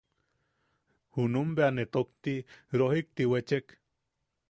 Junum bea ne tokti rojikti wechek.